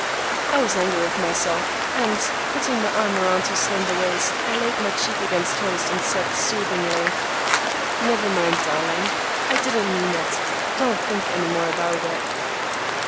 I was angry with myself, and, putting my arm around her slender waist, I laid my cheek against hers and said soothingly, "Never mind, darling! I didn't mean it. Don't think any more about it."